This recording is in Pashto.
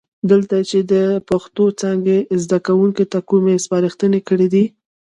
دلته یې چې د پښتو څانګې زده کوونکو ته کومې سپارښتنې کړي دي،